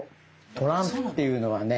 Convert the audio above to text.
トランプっていうのはね